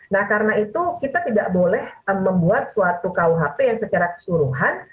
nah karena itu kita tidak boleh membuat suatu kuhp yang secara keseluruhan